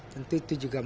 tentu itu juga menarik